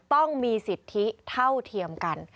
ต้องมีสิทธิเท่าเทียมกัน